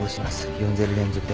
４−０連続で。